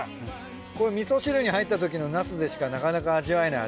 これみそ汁に入ったときのナスでしかなかなか味わえない味。